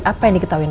apa yang diketahuin